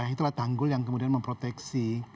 itulah tanggul yang kemudian memproteksi